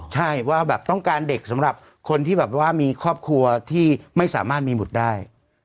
ใช่ว่าแบบต้องการเด็กสำหรับคนที่แบบว่ามีครอบครัวที่ไม่สามารถมีบุตรได้